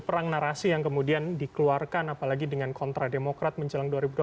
perang narasi yang kemudian dikeluarkan apalagi dengan kontra demokrat menjelang dua ribu dua puluh